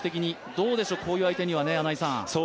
どうでしょうね、こういう相手に。